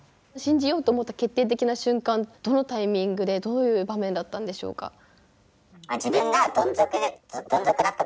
信じようと思った決定的な瞬間どのタイミングでどういう場面だったんでしょうか？